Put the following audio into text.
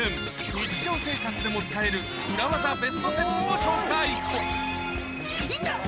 日常生活でも使えるウラ技ベスト７を紹介痛っ！